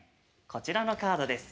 こちらのカードです。